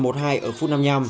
ở phút năm năm